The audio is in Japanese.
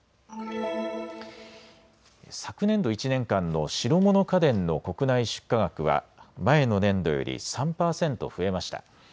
昨年度１年間の白物家電の国内出荷額は前の年度より３％増えました。